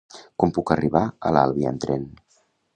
Com puc arribar a l'Albi amb tren?